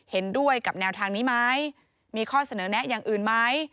เห็นด้วยกับแนวทางนี้ไหมมีข้อเสนอแนะอย่างอื่นไหม